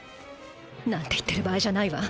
なんて言ってる場合じゃないわ。